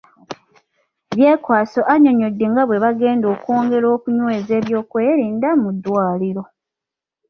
Byekwaso annyonnyodde nga bwe bagenda okwongera okunyweza ebyokwerinda mu ddwaliro.